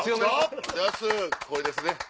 これですね。